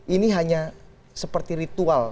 ini hanya seperti ritual